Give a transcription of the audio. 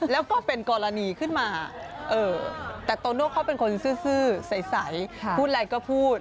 แล้วก็เป็นกรณีขึ้นมาแต่โตโน่เขาเป็นคนซื้อใสพูดอะไรก็พูด